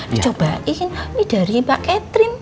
dicobain ini dari mbak catherine